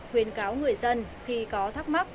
khuyến cáo người dân khi có thắc mắc